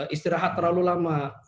istirahat terlalu lama